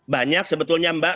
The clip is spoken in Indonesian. banyak sebetulnya mbak